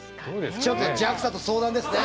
ちょっとＪＡＸＡと相談ですね。